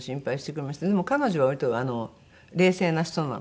でも彼女は割と冷静な人なので。